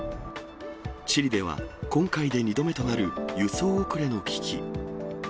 チリでは、今回で２度目となる輸送遅れの危機。